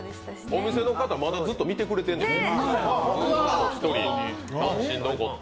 お店の方、まだずっと見てくれてるねんで、１人残って。